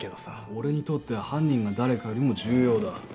俺にとっては犯人が誰かよりも重要だ。